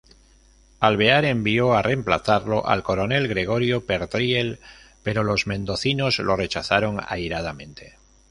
Alvear envió a reemplazarlo al coronel Gregorio Perdriel, pero los mendocinos lo rechazaron airadamente.